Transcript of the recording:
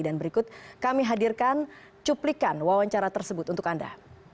dan berikut kami hadirkan cuplikan wawancara tersebut untuk anda